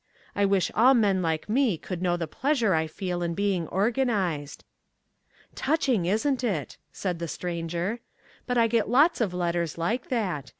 I wish all men like me could know the pleasure I feel in being organized." "Touching, isn't it?" said the Stranger. "But I get lots of letters like that.